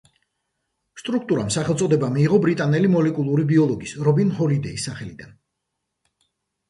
სტრუქტურამ სახელწოდება მიიღო ბრიტანელი მოლეკულური ბიოლოგის, რობინ ჰოლიდეის სახელიდან.